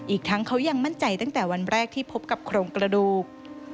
อีกทั้งเขายังมั่นใจตั้งแต่วันแรกที่พบกับโครงกระดูก